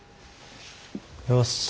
よし。